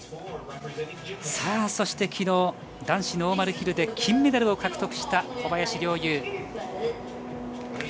そして昨日男子ノーマルヒルで金メダルを獲得した小林陵侑。